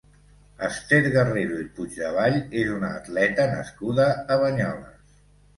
Esther Guerrero i Puigdevall és una atleta nascuda a Banyoles.